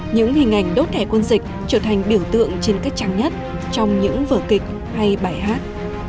những hình ảnh đốt thẻ quân dịch trở thành biểu tượng trên các trang nhất trong những vở kịch hay bài hát